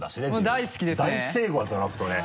大好きですね。